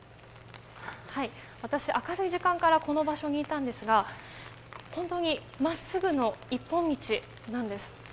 私、明るい時間からこの場所にいたんですが本当に真っすぐの一本道なんです。